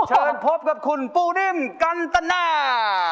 เชิญพบกับคุณปูริ่มกันตนา